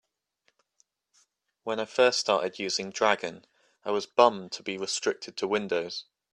When I first started using Dragon, I was bummed to be restricted to Windows.